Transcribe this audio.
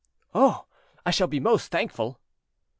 "Oh! I shall be most thankful."